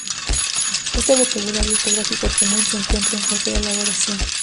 Ese Vocabulario ortográfico común se encuentra en fase de elaboración.